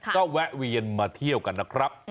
ก็แวะเวียนมาเที่ยวกันนะครับ